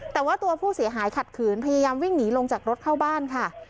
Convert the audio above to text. แต่ว่าตัวผู้เสียหายขัดขืนพยายามวิ่งหนีลงจากรถเข้าบ้านค่ะ